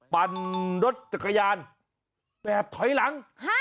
ปั่นรถจักรยานแบบถอยหลัง